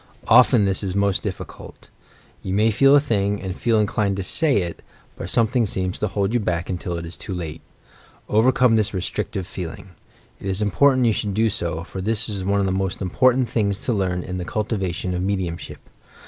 Often this is most difficult. You may feel a thing, and feel inclined to say it, but something seems to hold you back until it is too late. Overcome this restrictive feeling. It is important you should do so, for this is one of the most important things to learn in the cultivation of mediumship.